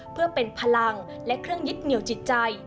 เพื่อเป็นพลังและเครื่องยึดเหนียวจิตใจ